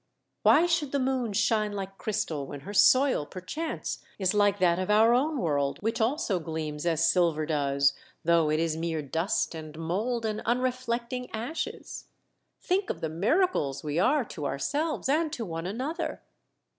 Why should the moon shine like crystal when her soil perchance is like that of our own world, which also gleams as silver does though it is mere dust and mould and unreflecting ashes ? Think of the miracles we are to ourselves and to one another